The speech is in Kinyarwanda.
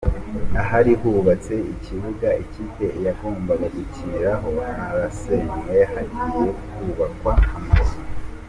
Ahari hubatse ikibuga ikipe yagombaga gukiniraho harasenywe, hagiye kubakwa amazu.